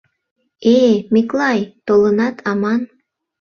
— Э-э, Миклай толынат аман!